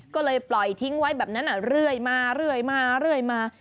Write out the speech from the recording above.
ก็เลยปล่อยทิ้งไว้แบบนั้นเรื่อยมามา